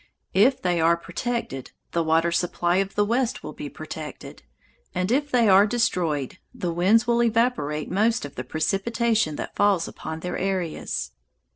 If they are protected, the water supply of the West will be protected; and if they are destroyed, the winds will evaporate most of the precipitation that falls upon their areas.